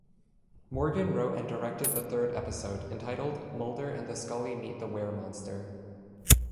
Morgan wrote and directed the third episode, entitled "Mulder and Scully Meet the Were-Monster".